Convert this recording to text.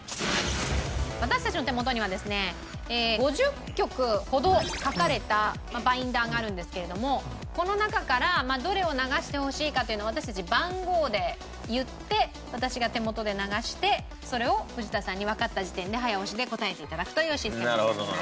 私たちの手元にはですね５０曲ほど書かれたバインダーがあるんですけれどもこの中からどれを流してほしいかというのを私たち番号で言って私が手元で流してそれを藤田さんにわかった時点で早押しで答えて頂くというシステムになります。